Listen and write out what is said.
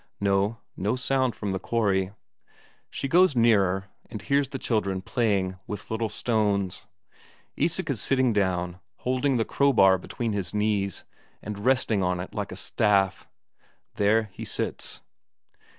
No, no sound from the quarry. She goes nearer, and hears the children playing with little stones. Isak is sitting down, holding the crowbar between his knees, and resting on it like a staff. There he sits.